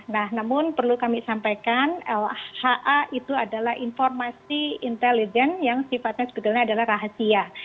nah namun perlu kami sampaikan lha itu adalah informasi intelijen yang sifatnya sebetulnya adalah rahasia